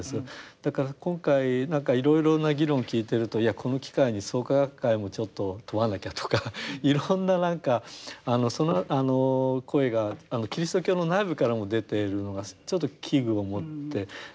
だから今回何かいろいろな議論を聞いてるといやこの機会に創価学会もちょっと問わなきゃとかいろんな何か声がキリスト教の内部からも出ているのがちょっと危惧を持ってるところがございます。